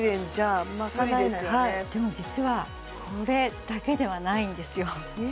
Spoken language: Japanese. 実はこれだけではないんですよ